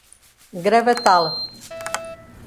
Gravatal